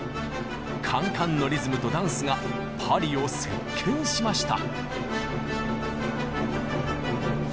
カンカンのリズムとダンスがパリを席巻しました。